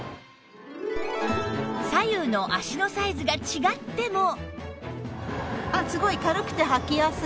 左右の足のサイズが違っても